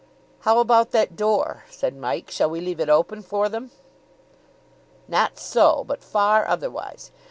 "How about that door?" said Mike. "Shall we leave it open for them?" "Not so, but far otherwise.